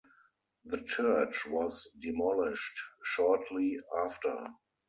The church was demolished shortly after.